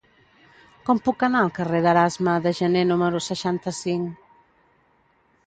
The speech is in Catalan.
Com puc anar al carrer d'Erasme de Janer número seixanta-cinc?